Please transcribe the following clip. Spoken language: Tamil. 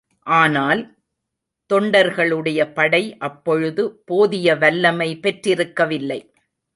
ஆனால் தொண்டர்களுடைய படை அப்பொழுது போதிய வல்லமை பெற்றிருக்கவில்லை.